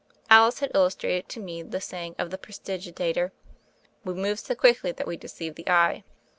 Alice had illus trated to me the saying of the prestidigitator, "We move so quickly that we deceive the eye."